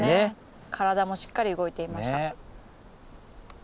体もしっかり動いていました。